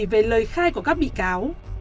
về lời khai của các bị cáo